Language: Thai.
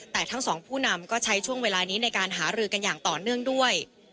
แต่ทั้งสองผู้นำก็ใช้ช่วงเวลานี้ในการหารือกันอย่างต่อเนื่องด้วย